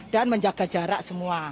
dan menjaga jarak semua